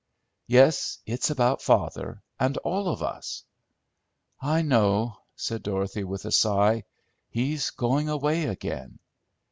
"Yes, it's about father, and all of us." "I know," said Dorothy, with a sigh. "He's going away again!"